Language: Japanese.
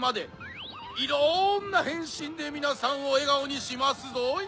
いろんなへんしんでみなさんをえがおにしますぞい！